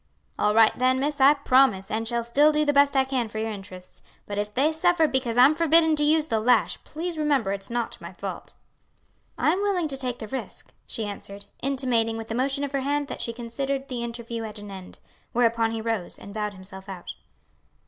"All right then, miss. I promise, and shall still do the best I can for your interests; but if they suffer because I'm forbidden to use the lash, please remember it's not my fault." "I am willing to take the risk," she answered, intimating with a motion of her hand that she considered the interview at an end; whereupon he rose and bowed himself out.